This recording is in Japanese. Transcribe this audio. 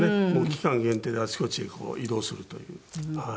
期間限定であちこちへ移動するという。